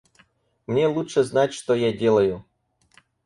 Мне лучше знать что я делаю.